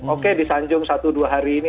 oke disanjung satu dua hari ini